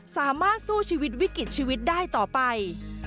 สามารถสู้ชีวิตวิกฤตชีวิตได้ต่อไป